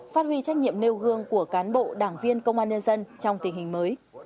phát huy trách nhiệm nêu gương của cán bộ đảng viên công an nhân dân trong tình hình mới